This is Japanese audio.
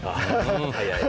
早い。